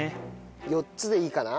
４つでいいかな？